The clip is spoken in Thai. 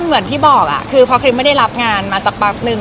ก็เหมือนที่บอกพอคริบล์ไม่ได้รับงานมาสักพักหนึ่ง